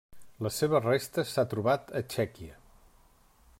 Les seves restes s'ha trobat a Txèquia.